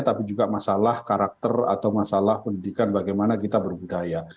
tapi juga masalah karakter atau masalah pendidikan bagaimana kita berbudaya